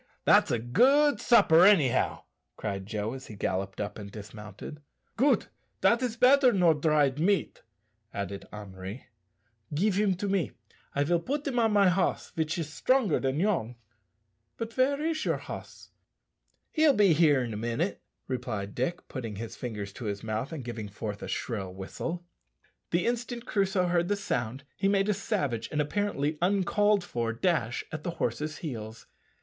that's a good supper, anyhow," cried Joe, as he galloped up and dismounted. "Goot! dat is better nor dried meat," added Henri. "Give him to me; I will put him on my hoss, vich is strongar dan yourn. But ver is your hoss?" "He'll be here in a minute," replied Dick, putting his fingers to his mouth and giving forth a shrill whistle. The instant Crusoe heard the sound he made a savage and apparently uncalled for dash at the horse's heels.